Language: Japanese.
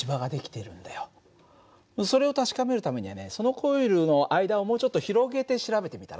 それを確かめるためにはねそのコイルの間をもうちょっと広げて調べてみたら？